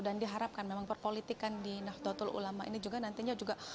dan diharapkan memang perpolitikan di nahdlatul ulama ini juga nantinya juga